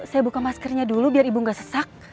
saya buka maskernya dulu biar ibu nggak sesak